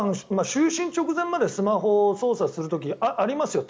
就寝直前までスマホを操作する時ありますよ。